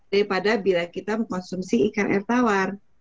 daripada bila kita mengkonsumsi ikan air tawar